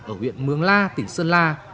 ở huyện mương la tỉnh sơn la